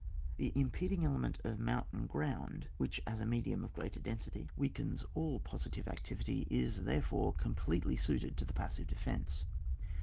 The im peding element of mountain ground, which as a medium of greater density 122 ON WAR. [book VI. weakens all positive activity, is, there fore, completely suited to the passive defence.